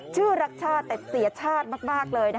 ชื่อรักชาติแต่เสียชาติมากเลย